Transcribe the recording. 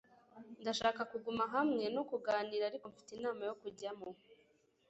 Ndashaka kuguma hamwe no kuganira ariko mfite inama yo kujyamo